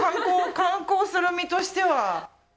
観光する身としては。